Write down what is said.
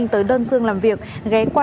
tới đơn dương làm việc ghé qua